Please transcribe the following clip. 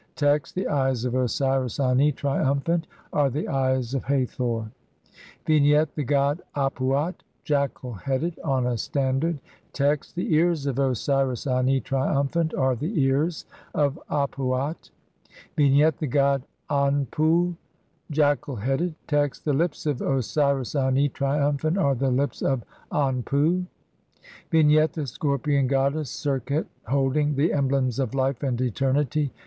Text : (3) The eyes of Osiris Ani, triumphant, are the eyes of Hathor. Vignette : The god Ap uat, jackal headed, on a standard. Text : (4) The ears of Osiris Ani, triumphant, are the ears of Ap uat. Vignette : The god Anpu, jackal headed. Text : (5) The lips of Osiris Ani, triumphant, are the lips of Anpu. Vignette : The scorpion goddess Serqet holding the emblems of life and eternity.